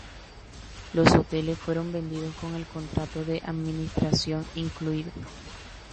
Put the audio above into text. Los hoteles fueron vendidos con el contrato de administración incluido.